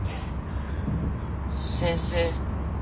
先生。